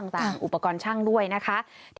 อุปกรณ์ช่างด้วยนะคะ